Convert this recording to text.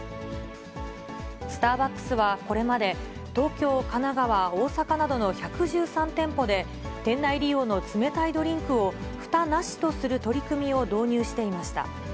スターバックスはこれまで、東京、神奈川、大阪などの１１３店舗で、店内利用の冷たいドリンクをふたなしとする取り組みを導入していました。